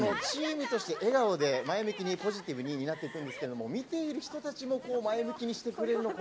チームとして笑顔で前向きにポジティブになっているんですけど、見ている人たちも前向きにしてくれる。